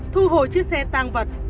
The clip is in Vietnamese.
thu hồi chiếc xe tăng vật